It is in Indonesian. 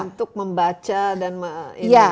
untuk membaca dan ini